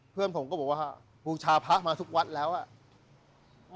เพื่อนผมก็บอกว่าบูชาพระมาทุกวัดแล้วอ่ะ